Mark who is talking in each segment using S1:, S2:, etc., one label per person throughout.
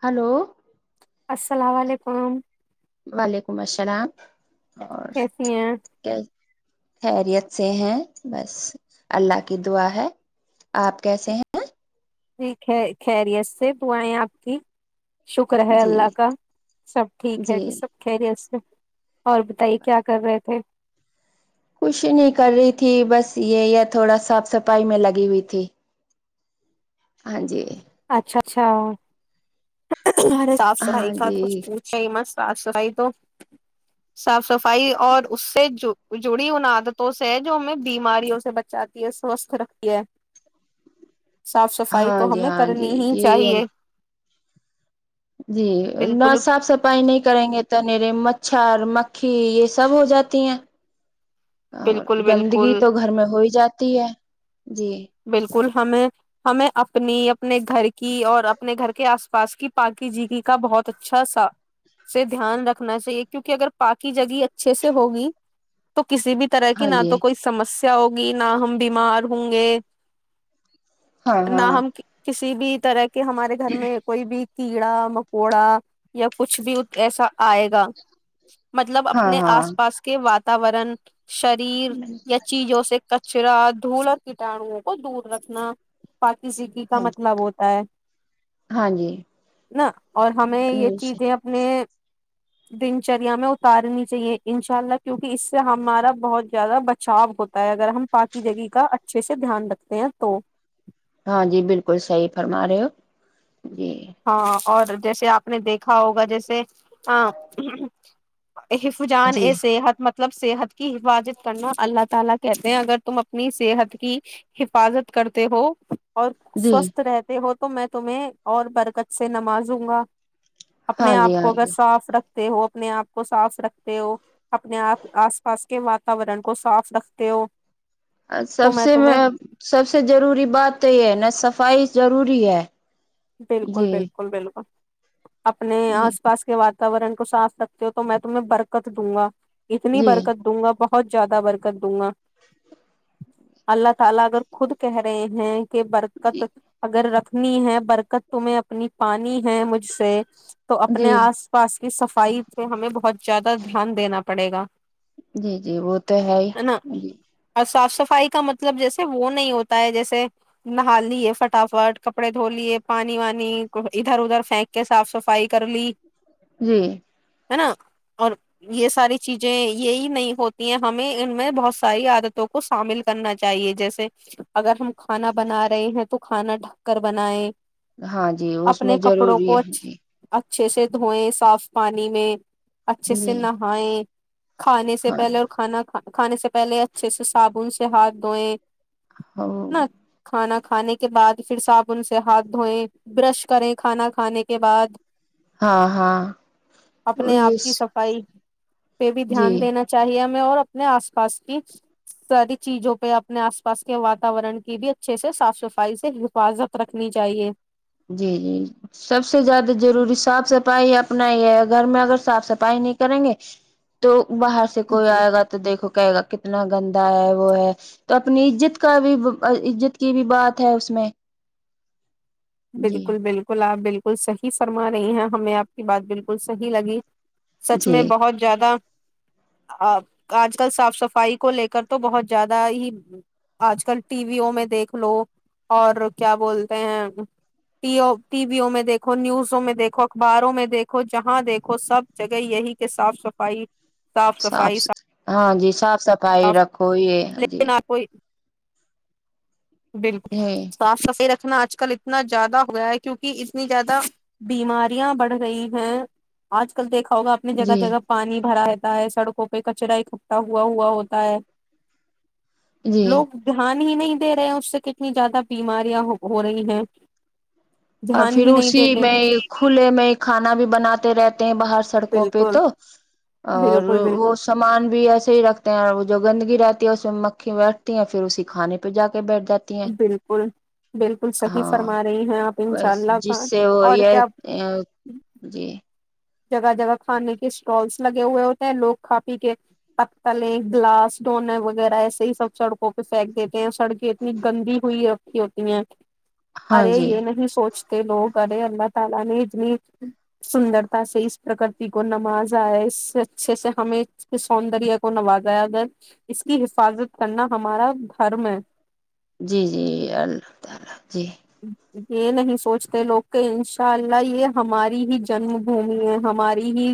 S1: hello
S2: السلام علیکم
S1: وعلیکم السلام اور
S2: کیسی ہیں
S1: کیا [unintelligible] خیریت سے ہیں بس اللہ کی دعا ہے آپ کیسے ہیں
S2: جی خ خیریت سے ب آئےیں آپ کی شکر
S1: ہیں
S2: ہے
S1: جی
S2: اللہ کا سب ٹھیک ہے جی سب خری سے اور بتائیے کیا کر رہے تھے
S1: کچھ نہیں کر رہی تھی بس یہ تھوڑا صاف صفائی میں لگی ہوئی تھی ہاں جی
S2: اچھا اچھا گے صاف
S1: ہاں
S2: صفائی کا کچھ
S1: جی
S2: پوچھے ہی مس صاف صفائی تو صاف صفائی اور اس سے جڑی ان عادتوں سے ہے جو ہمیں بیماریوں سے بچاتی ہے سوستھ رکھتی ہے صاف صفائی
S1: ہاں
S2: تو
S1: جی
S2: ہمیں
S1: ہاں
S2: کرنی
S1: جی
S2: ہی
S1: یہ
S2: چاہیے
S1: جی نہ
S2: بالکل
S1: صاف صفائی نہیں کریں گے تو میرے مچھر مکھی یہ سب ہو جاتی ہیں اور
S2: بالکل بالکل
S1: گندگی تو گھر میں ہو ہی جاتی ہے جی
S2: بالکل ہمیں ہمیں اپنی اپنے گھر کی اور اپنے گھر کے آس پاس کی پااکی جگی کا بہت اچھا سا سے دھیان رکھنا چاہیے کیونکہ اگر پاکی جگی اچھے سے ہوگی تو کسی بھی طرح کی
S1: ہاں
S2: نہ
S1: جی
S2: تو کوئی سمس ہوگی نہ ہم بیمار ہوں گے
S1: ہاں
S2: نہ
S1: ہاں
S2: ہم کسی بھی طرح کہ ہمارے گھر میں کوئی بھی کیڑا مکوڑا یا کچھ بھی ایسا آئے گا مطلب
S1: ہاں
S2: اپنے
S1: ہاں
S2: آس پاس کے و واتاورن شریر یا چیزوں سے ک چرا دھول کٹاانو وہ دور رکھنا پاکی سکی کا
S1: ہاں
S2: مطلب ہوتا ہے
S1: ہاں جی
S2: نا اور ہمیں یہ چیزیں اپنے دن چریا میں اتارنی چاہیے انشاء اللہ کیونکہ اس سے ہمارا بہت زیادہ بچاؤ ہوتا ہے اگر ہم پاکی جگی کا اچھے سے دھیان رکھ تو
S1: ہاں جی بالکل صحی فرما رہے ہو جی
S2: ہاں اور جیسے آپ نے دیکھا ہوگا جیسے ہ ا حفوجان
S1: جی
S2: ا صحت مت [unintelligible] اور
S1: جی
S2: سوستھ رہتے ہو تو میں تمہیں اور بر کچ سے نمازوں گا
S1: ہاں
S2: اپنے
S1: جی
S2: آپ کو
S1: ہاں
S2: اگر
S1: جی
S2: صاف رکھ رتے ہو اپنے آپ کو صاف رکھتے ہو اپنے آ آس پاس کے واتورن کو صاف رکھتے ہو
S1: سب
S2: تو
S1: سے
S2: تمہیں
S1: میں سب سے ضروری بات تو یہ ہے نا سف صفائی ضروری ہے
S2: بالکل
S1: جی
S2: بالکل بالکل اپنے
S1: جی
S2: آس پاس کے و وورن کو سانس رکھتے ہو تو میں تمہیں برکت دوں گا اتنی
S1: جی
S2: برکت دوں گا بہت [unintelligible] کے
S1: جی
S2: برکت اگر رکھ نہیں ہے برک تمہیں اپنی پانی ہیں مجھ سے تو اپنے
S1: جی
S2: آس پاس کہ صفائی پہ ہمیں بہت زیادہ دھیان دینا پڑے گا
S1: جی جی وہ تو ہے ہی ج
S2: اور صاف صفائی کا مطلب جیسے وہ نہیں ہوتا ہے جیسے نہا لیے فٹافٹ کپڑے دھو لیے پانی وانی ادھر ادھر پھینک کے صاف صفائی کر لی
S1: جی
S2: ہے نا اور یہ ساری چیزیں یہی نہیں ہوتی ہیں ہمیں ان میں بہت ساری عادتوں کو شامل کرنا چاہیے جیسے اگر ہم کھانا بنا رہے ہیں تو کھانا ڈھک کر بنائے
S1: ہاں جی اس میں ضروری ہے جی
S2: اچھے سے دھوئیں صاف پانی میں اچھے سے
S1: جی
S2: نہائے کھانے سے
S1: ہاں
S2: پہلے اور کھانا کھا کھانے سے پہلے اچھے سے صابن سے ہاتھ دھوئیں نہ کھانا کھانے کے بعد پھر صاپ ان سے ہاتھ دھوئیں برش کریں کھانا کھانے کے بعد
S1: ہاں ہاں
S2: اپنے آپ
S1: وہیس
S2: کی صفائی پہ بھی دھیان دینا چاہیے اور اپنے آس پاس کی ساری چیزوں پہ اپنے آس پاس کے واتاورن کی بھی اچھے سے صاف صفائی سے حفاظت رکھنی چاہیے
S1: جی جی سب سے زیادہ ضروری صاف صفائی آپ اپنا یہ گھر میں اگر صاف صفائی نہیں کریں گے تو باہر سے کوئی
S2: جی
S1: آئے گا تو دیکھو کہے گا کتنا گندا ہے وہ ہے تو اپنی عزت کا بھی عزت کی بھی بات ہے اس میں جی
S2: بالکل بالکل آ بالکل بالکل صحیح فرما رہی ہیں ہمیں آپ کی بات بالکل صحی لگی سچ
S1: جی
S2: میں بہت زیادہ آ آج کل صاف صفائی کو لے کر تو بہت زیادہ ہی آج کل ٹی ویوں میں دیکھ لو اور کیا بولتے ہیں [unintelligible] ٹی ویوں میں دیکھو نیوزوں میں دیکھو اخباروں میں دیکھو جہاں دیکھو سب جگہ یہی کہ صاف صفائی [unintelligible]
S1: صاف ہاں جی صاف صفائی رکھو یہ جی
S2: لیکن
S1: [unintelligible]
S2: آپ کوئی بالکل
S1: جی
S2: صاف صفائی رکھ [unintelligible] آج کل [unintelligible] اتنا زیادہ ہوا ہے کیونکہ اتنی زیادہ بیماریاں بڑھ رہی ہیں آج کل دیکھ [unintelligible] ہوگا اپنے جگہ
S1: جی
S2: جگہ پانی بھرا ہے [unintelligible] ہو ہے سڑکوں پہ کچرا اکٹٹا ہوا ہوا ہوتا ہے [unintelligible]
S1: جی
S2: لوگ دھیان [unintelligible] ہی نہیں دے رہے ہیں اس سے کتنی زیادہ بیماریاں ہو رہی ہیں [unintelligible]
S1: اور پھر
S2: دھیان ہی نہیں
S1: اسی
S2: دیتے
S1: میں کھلے میں کھانا بھی بناتا [unintelligible] رات [inaudible] [inaudible] ہیں باہر سڑکوں پہ
S2: بالکل
S1: تو اور
S2: بالکل بالکل
S1: وہ سامان بھی ایسے ہی رکھتے ہیں اور وہ جو گندگی رہتی [unintelligible] اس میں مکھی بیٹھتی ہیں پھر اسی کھانے پہ جا [unintelligible] جاتی ہیں
S2: بالکل بالکل صحیح
S1: ہاں
S2: فرما رہی ہیں آپ [unintelligible]
S1: بس جس
S2: خان
S1: سے وہ
S2: اور
S1: یہ
S2: کیا
S1: جی [unintelligible]
S2: جگہ جگہ کھانے کے اسٹالس لگے ہوئے ہوتے ہیں لوگ کھ پی کے پکتلیں گلاس ڈونے وغیرہ ایسے ہی سب سڑکوں پہ پھینک دیتے ہیں سڑکیں اتنی گندی ہوئی رھی ہوتی ہیں [unintelligible]
S1: ہاں
S2: ارے
S1: جی
S2: یہ نہیں سوچتا کے لگ اے اللہ تعالی نے اتنی سندر [unintelligible] سے اس پرکرتی کو نوازاائے اس سے اچھے سے ہمیں اس کے سوندر کو نوازایا جائے اس کی حفاظت کرنا ہمارا دھرم ہے [unintelligible]
S1: [unintelligible]
S2: یہ نہیں سوچتے لوگ کہ انشاء اللہ یہ ہماری ہی جنم بھومی ہے ہماری ہی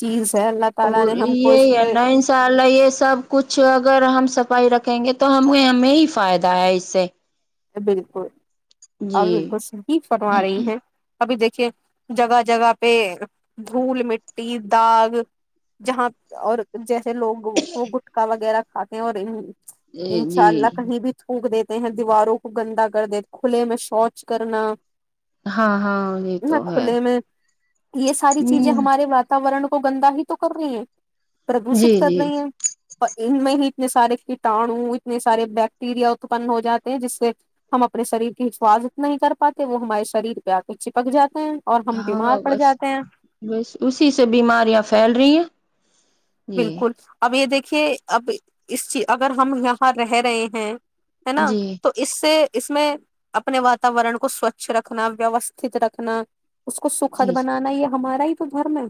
S2: چیز [unintelligible] تعالی
S1: اور
S2: نے ہم کو
S1: یہ
S2: اس
S1: ہے
S2: پہ
S1: ن ان شاء اللہ یہ سب کچھ اگر ہم صفائی رکھ [unintelligible] کہیں گے تو ہمیں ہمیں ہی فائدہ ہے اس سے [unintelligible]
S2: بالکل [unintelligible] اب
S1: جی
S2: بالکل س فرما رہی ہیں [unintelligible] ابھی دیکھیے جگہ جگہ پہ دھول مٹی داغ جہاں اور جیسے لوگ وہ گٹکا وغیرہ کھاتے ہیں اور [unintelligible]
S1: جی
S2: انشاء اللہ
S1: جی
S2: کہیں بھی تھوک دیتے [unintelligible] ہیں دیواروں [unintelligible] گندا کر دی کھلے میں شوچ کرنا
S1: ہاں ہاں یہ
S2: [unintelligible] نہ
S1: تو ہے
S2: کھلے میں یہ ساری چیزیں
S1: ہ
S2: ہمارے واتورن [unintelligible] وہ گندہ ہی تو کر رہی ہے [unintelligible]
S1: جی
S2: پردوشت کر
S1: جی
S2: رہی ہیں اور [unintelligible] ان میں ہی اتنے سارے کٹاڑو اتنے سارے بیکٹیریا اتپن ہو جاتے ہیں جس سے [unintelligible] ہم اپنے شریر کے شاس اتنا نہیں کر پاتے وہ ہمارے شریر پہ آ کر چپک جاتے [unintelligible] ہم
S1: ہاں
S2: بیمار پڑ
S1: بس
S2: جاتے ہیں
S1: بس اسی سے بیماریاں پھیل رہی ہیں جی
S2: بالکل اب یہ دیک دیکے اب اس چی اگر ہم یہاں رہ رہے ہیں ہے نا
S1: جی
S2: تو اس سے اس میں اپنے واتاورن کو سوچھ رکھنا ویوستھت رکھنا اس کو سکھد
S1: جی جی
S2: بنانا یا ہمارا ہی تو گھر میں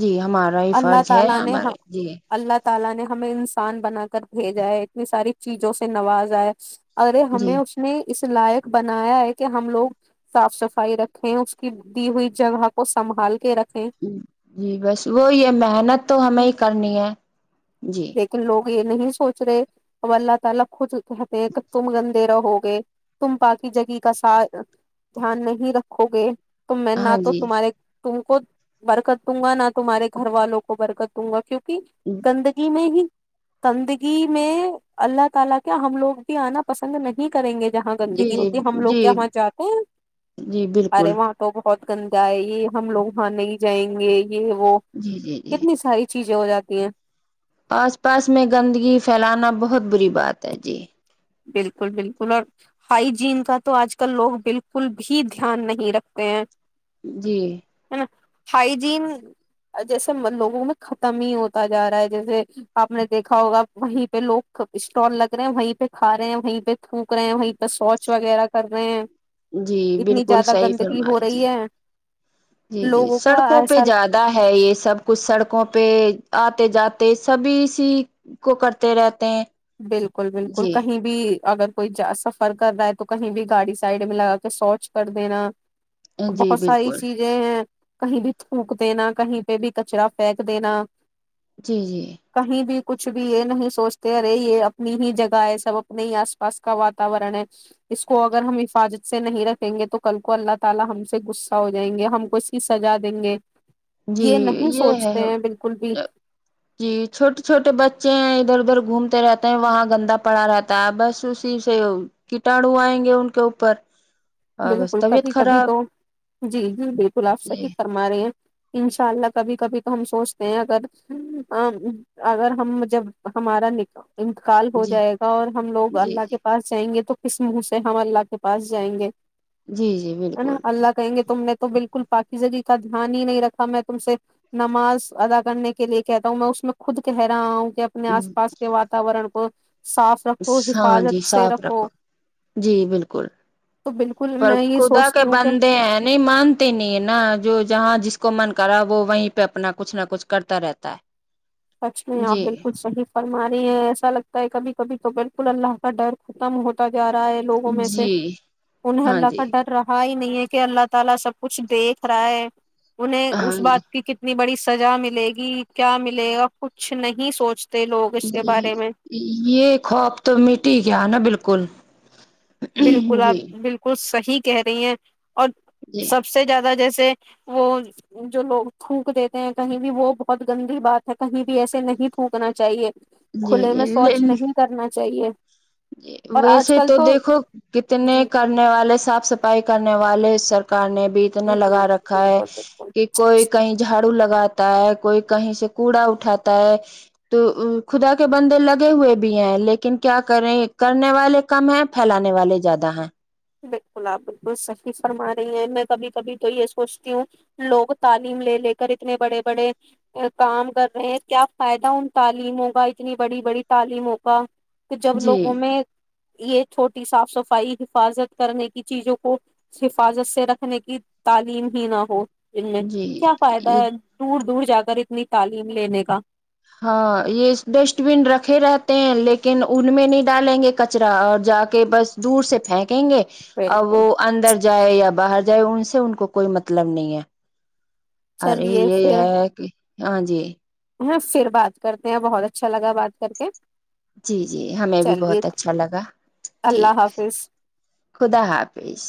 S1: جی ہمارا ہی فرض ہے
S2: نے
S1: ہمارے
S2: ہم
S1: جی
S2: اللہ ت تعالا نے ہمیں انسان بنا کر بھیجا ہے اتنی ساری چیزوں سے نوازائے ارے
S1: جی
S2: ہمیں اس نے اس لائق بنایا ہے کہ ہم لوگ صاف صفائی رکھے اس کی دی ہوئی جگہ کو سنبھال کے رکھ
S1: جی بس وہی محنت تو ہمیں کرنی ہے جی
S2: لیکن لوگ یہ نہیں سوچ رہے ا اللہ تعالی ک کہتے ہیں کہ تم گندے رہو گے تم پاکی جگی کا سات دھیان نہیں رکھو گے تو میں نہ
S1: ہاں
S2: تو
S1: جی
S2: تمہارے تم کو برکت دوں گا نہ تمہارے گھر والوں کو برکت دوں گا کیوںکہ کہ گند ہی گندگی میں اللہ تعالا کیا ہم لوگ بھی آنا پسند نہیں کریں گے جہاں
S1: جی
S2: گندگی
S1: جی
S2: ہوتی ہے ہم لوگ
S1: جی
S2: کیا وہاں جاتے ہیں
S1: جی
S2: ارے
S1: بالکل
S2: وہاں تو بہت گنندا ہے یہ ہم لوگ وہاں نہیں جائیں گے یہ وہ
S1: جی جی جی
S2: کتنی ساری چیز چیزیں ہو جاتی ہیں
S1: آس پاس میں گندگی پھیلانا بہت بری بات ہے جی
S2: بلکل بلکل اور ہائیجین کا تو آج کل لوگ بالکل بھی دھیان نہیں رکھتے ہیں
S1: جی
S2: ہے نا ہائیجین جیسے لوگوں میں ختم ہی ہوتا جا رہا ہے جیسے آپ نے دیکھا ہوگا وہیں پہ لوگ اسٹال لگ رہے ہیں وہیں پہ کھ رہے ہیں وہیں پہ تھھوک رہے ہیں وہیں پہ شوچ وغیرہ کر رہے ہیں
S1: جی
S2: اتنی
S1: بالکل
S2: زیادہ
S1: صحیح
S2: گندگی ہو
S1: فرمایا جی
S2: رہی ہے
S1: جی جی
S2: لوگوں کا
S1: سڑکوں پہ
S2: ایسا
S1: زیادہ ہے یہ سب کچھ سڑکوں پہ آپ جاتے سبھی اسی کو کرتے رہتے ہیں
S2: بالکل بالکل
S1: جی
S2: کہیں بھی اگر کوئی سفر کر رہا ہے تو کہیں بھی گاڑی سائڈ میں لگا کے شوچ کر دینا
S1: جی
S2: بہت ساری
S1: بالکل
S2: چیزیں ہیں کہیں بھی تھوک دینا کہیں پہ بھی کچرا پھینک دینا
S1: جی جی
S2: کہیں بھی کچھ بھی یہ نہیں سوچتے ہیں اپنی بھی جگہ ایسا وقت نہیں اس پاس کا واتا ورن ہے اس کو اگر ہم حفاظت سے نہیں رکھیں گے تو کل کو اللہ تعالی ہم سے غصہ ہو جائیں گے ہم اس کی سزا دیں گے
S1: جی
S2: یہ نہیں
S1: یہ
S2: سوچتے ہیں بالکل بھی
S1: ہے جی چھوٹے چھوٹے بچے ہیں ادھر ادھر گھومتے رہتے ہیں وہاں گندا پڑا رہتا ہے بس اسی سے کیٹاڑو آئیں گے ان کے اوپر اور بس
S2: بالکل
S1: طبیعت
S2: کبھی کبھی
S1: خراب
S2: تو جی جی بالکل آپ
S1: جی
S2: صحیح فرما رہے ہیں انشاء اللہ کبھی کبھی تو ہم سوچتے ہیں اگر اگر ہم جب ہمارا نکا انتقال ہو
S1: جی
S2: جائے گا اور ہم لوگ
S1: جی
S2: اللہ کے
S1: جی
S2: پاس جائیں گے تو اس منہ سے ہم اللہ کے پاس جائیں گے
S1: جی جی
S2: ہے نا
S1: بالکل
S2: اللہ کہیں گے تم نے تو بالکل پااکی زگی کا دھیان ہی نہیں رکھا میں تم سے نماز ادا کرنے کے لیے کہتا ہوں میں اس میں خود کہہ رہا ہوں اپنے آس پاس کے واتاورن کو صاف رکھو
S1: ہاں جی
S2: حفاظت سے
S1: صاف
S2: رکھو
S1: جی بالکل
S2: تو بالکل
S1: پر
S2: میں یہ
S1: خدا کے
S2: سوچتی ہوں کہ
S1: بندے ہیں نہیں مانتے نہیں نا جو جہاں جس کو من کرا وہیں پہ اپنا کچھ نہ کچھ کرتا رہتا ہے
S2: سچ میں آپ
S1: جی
S2: بالکل صحیح فرما رہی ہیں ایسا لگتا ہے کبھی کبھی تو بک اللہ کا ڈر ختم ہوتا جا رہا ہے لوگوں میں سے
S1: جی
S2: انہیں
S1: ہاں
S2: اللہ
S1: جی
S2: کا ڈر رہا ہی [inaudible] انہیں اس
S1: ہاں
S2: بات کی کتنی بڑی سزا ملے گی کیا ملے گا کچھ نہیں سوچتا
S1: جی یہ خواب تو میٹ کیایا نا بالکل ج
S2: بالکل آپ بالکل صحی کہہ رہی ہیں اور
S1: جی
S2: سب سے زیادہ جیسے سے وہ جو لوگ تھوک دیتے ہیں کہیں بھی وہ بہت گندی بات ہے کہیں بھی ایسے نہیں تھوکنا چاہیے
S1: جی
S2: کھلے میں سوچ
S1: جی
S2: نہیں کرنا چاہیے اور آج
S1: ویسے
S2: کل
S1: تو دیکھو [inaudible]
S2: جی
S1: کتنے کرنے والے صاف صفائی کرنے والے والے سرک [inaudible] نے بھی اتنا
S2: جی
S1: لگا رکھا ہے
S2: بالکل بالکل
S1: کہ کوئی کہیں جھاڑو لگات ہے کوئی کہیں سے کوڑا اٹھاتا ہے تو خدا کے بندے لگے ہوئے بھی ہیں لیکن کیا کرنے والے کم ہیں پھیلانے والے زیادہ ہیں
S2: بالکل آپ بالکل صحیح فرما رہی ہیں میں کبھی کبھی تو یہ سوچتی ہوں لوگ تعلیم لے لے کر اتنے بڑے بڑے کام کر رہے ہیں کیا فائدہ ان تعلیموں کا اتنی بڑی بڑی تعلیموں کا کہ جب
S1: جی
S2: لوگوں میں یہ چھوٹی صاف صفائی حفاظت [inaudible] کرنے کی چیزوں کو حفاظت سے رکھنے کی تعلیم ہی نہ ہو ان میں
S1: جی
S2: کیا فائدہ ہے دور دور جا کر اتنی تعلیم لینے کا [inaudible]
S1: ہاں یہ ڈسٹ بین رکھے رہتے ہیں لیکن ان میں نہیں ڈالیں گے کچرا اور جا کے بس دور سے پھینک کہیں گے اور
S2: بالکل
S1: وہ اندر جائے یا باہر جائے ان سے ان کو کوئی مطلب نہیں ہے ارے
S2: چلیے
S1: یہ
S2: پھر
S1: ہے کہ ہاں جی
S2: ہاں پھر بات کرتے ہیں بہت اچھا لگا بات کر کے
S1: جی جی ہمیں بھی
S2: چلیے
S1: بہت اچھا لگا
S2: اللہ
S1: ٹھیک ہے
S2: حافظ
S1: خدا حافظ